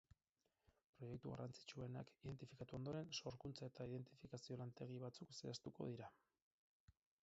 Proiektu garrantzitsuenak identifikatu ondoren, sorkuntza eta identifikazio lantegi batzuk zehaztuko dira.